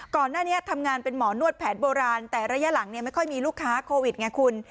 ก่อนหน้านี้ทำงานเป็นหมอนวดแผนโบราณแต่ระยะหลังไม่ค่อยมีลูกค้าโควิดไงคุณ